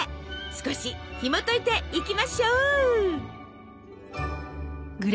少しひもといていきましょう！